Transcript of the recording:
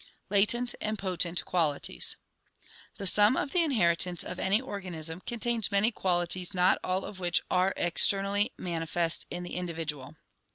Latent and Potent Qualities. — The sum of the inheritance of any organism contains many qualities not all of which are ex ternally manifest in the individual.